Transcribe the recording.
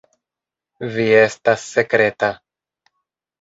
Vi estas sekreta.